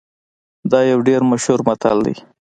دا یو ډیر مشهور متل دی